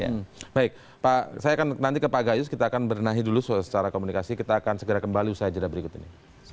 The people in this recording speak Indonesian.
ya baik pak saya akan nanti ke pak gayus kita akan berenai dulu secara komunikasi kita akan segera kembali usaha jenah berikut ini